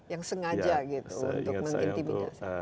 yang sengaja gitu untuk mengintimidasi